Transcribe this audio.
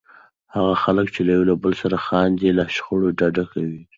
هغه خلک چې له یو بل سره خاندي، له شخړو ډډه کوي.